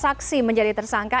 saksi menjadi tersangka